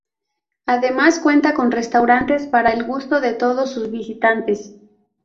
Además cuenta con restaurantes para el gusto de todos sus visitantes.